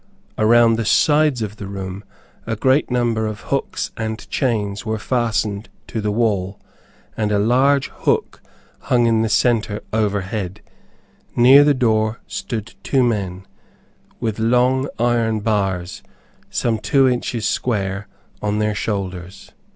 Around the sides of the room, a great number of hooks and chains were fastened to the wall, and a large hook hung in the center overhead. Near the door stood two men, with long iron bars, some two inches square, on their shoulders.